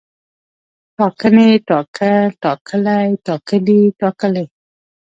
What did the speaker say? ټاکنې، ټاکل، ټاکلی، ټاکلي، ټاکلې